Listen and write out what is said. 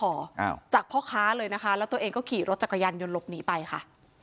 อ้าวจากพ่อค้าเลยนะคะแล้วตัวเองก็ขี่รถจักรยานยนต์หลบหนีไปค่ะ